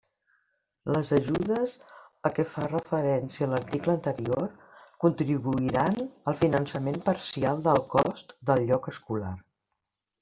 Les ajudes a què fa referència l'article anterior contribuiran al finançament parcial del cost del lloc escolar.